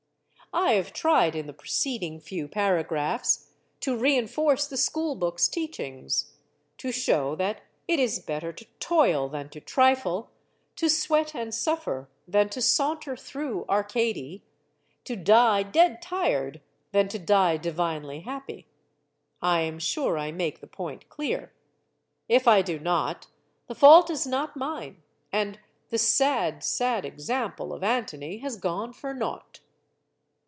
I have tried, in the preceding few paragraphs, to re enforce the school books* teachings; to show that it is better to toil than to trifle, to sweat and suffer than to saunter through Arcady, to die dead tired than to die divinely happy. I am sure I make the point clear. If I do not, the fault is not mine; and the sad, sad ex ample of Antony has gone for naught.